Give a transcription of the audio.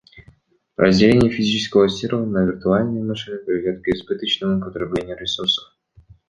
Разделение физического сервера на виртуальные машины приведет к избыточному потреблению ресурсов